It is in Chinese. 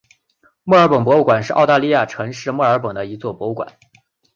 墨尔本博物馆是澳大利亚城市墨尔本的一座博物馆。